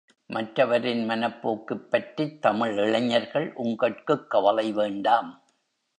மற்றவரின் மனப்போக்குப் பற்றித் தமிழ் இளைஞர்கள் உங்கட்குக் கவலை வேண்டாம்.